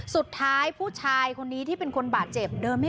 สุดท้ายผู้ชายคนนี้ที่เป็นคนบาดเจ็บ